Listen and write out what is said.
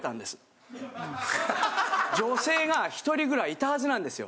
女性が１人ぐらいいたはずなんですよ。